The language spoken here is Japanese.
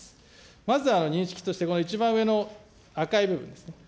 まず認識として、この一番上の赤い部分ですね。